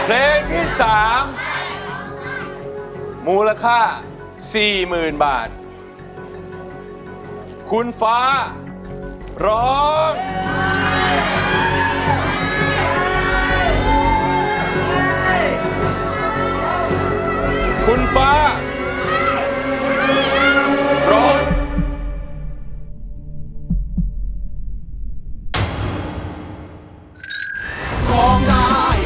ร้องได้ร้องได้ร้องได้ร้องได้ร้องได้ร้องได้ร้องได้